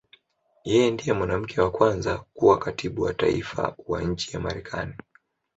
Yeye ndiye mwanamke wa kwanza kuwa Katibu wa Taifa wa nchi ya Marekani.